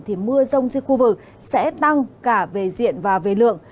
thì mưa rông trên khu vực sẽ tăng cả về diện và về lượng